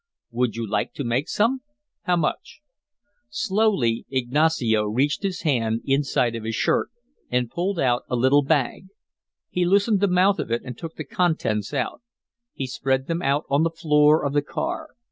"Would you like to make some?" "How much?" Slowly Ignacio reached his hand inside of his shirt and pulled out a little bag. He loosened the mouth of it and took the contents out. He spread them out on the floor of the car.